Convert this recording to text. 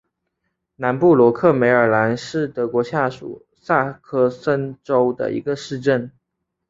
南布罗克梅尔兰是德国下萨克森州的一个市镇。